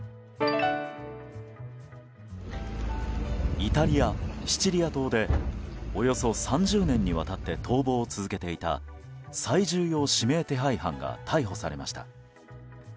イタリア・シチリア島でおよそ３０年にわたって逃亡を続けていた最重要指名手配犯が逮捕されました。